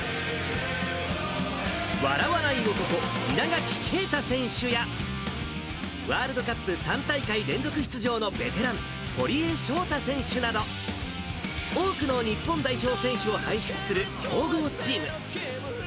笑わない男、稲垣啓太選手や、ワールドカップ３大会連続出場のベテラン、堀江翔太選手など、多くの日本代表選手を輩出する強豪チーム。